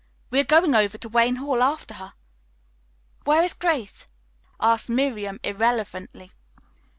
We are going over to Wayne Hall after her." "Where is Grace?" asked Miriam irrelevantly.